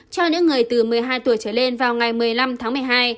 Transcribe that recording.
cho những người từ một mươi hai tuổi trở lên vào ngày một mươi năm tháng một mươi hai